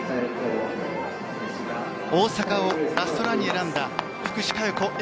大阪をラストランに選んだ福士加代子